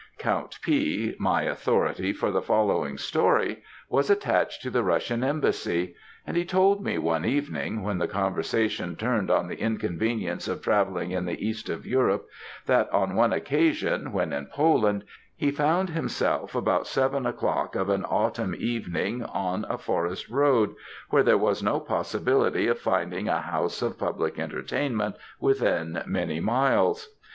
"Count P., my authority for the following story, was attached to the Russian embassy; and he told me, one evening, when the conversation turned on the inconveniences of travelling in the East of Europe, that, on one occasion, when in Poland, he found himself about seven o'clock in an autumn evening on a forest road, where there was no possibility of finding a house of public entertainment within many miles.